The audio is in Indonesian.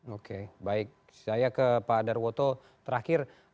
oke baik saya ke pak darwoto terakhir